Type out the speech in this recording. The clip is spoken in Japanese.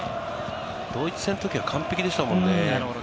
ドイツ戦のときは完璧でしたもんね。